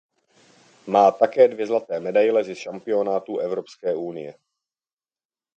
Má také dvě zlaté medaile ze šampionátů Evropské unie.